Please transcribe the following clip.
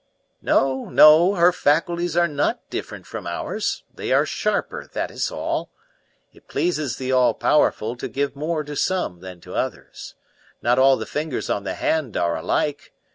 "No, no, her faculties are not different from ours. They are sharper, that is all. It pleases the All Powerful to give more to some than to others. Not all the fingers on the hand are alike.